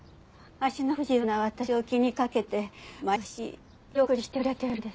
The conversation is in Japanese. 足の不自由な私を気にかけて毎年仕送りしてくれてるんです。